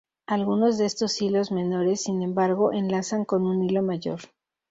Algunos de estos hilos menores, sin embargo, enlazan con un hilo mayor.